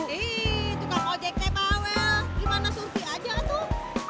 eh tukang ojk pak owel gimana surti aja tuh